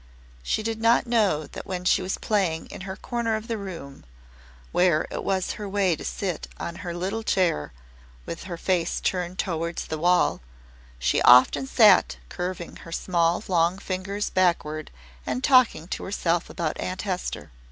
She did not know that when she was playing in her corner of the room, where it was her way to sit on her little chair with her face turned towards the wall, she often sat curving her small long fingers backward and talking to herself about Aunt Hester.